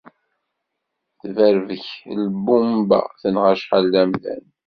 Tebberbek lbumba, tenɣa acḥal d amdan